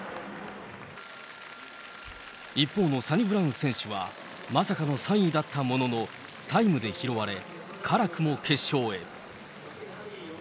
一方のサニブラウン選手は、まさかの３位だったものの、タイムで拾われ、からくも決勝へ。